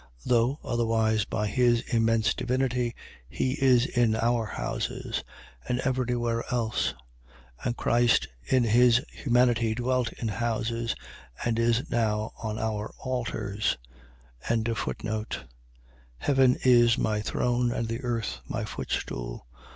Though, otherwise by his immense divinity, he is in our houses; and every where else; and Christ in his humanity dwelt in houses; and is now on our altars. 7:49. Heaven is my throne and the earth my footstool.